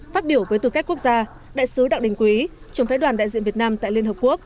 phát biểu với tư cách quốc gia đại sứ đặng đình quý trưởng phái đoàn đại diện việt nam tại liên hợp quốc